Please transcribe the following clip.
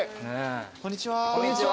こんにちは。